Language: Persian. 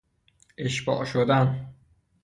اشباع شدن